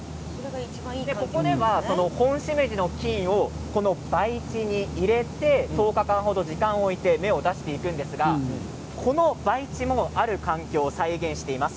ここではホンシメジの菌を培地に入れて１０日間程時間を置いて芽を出していくんですがこの培地もある環境を再現しています。